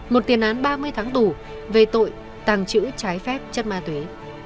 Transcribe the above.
một tiền án ba mươi tháng tù về tội tàng chữ trái phép chất ma tuế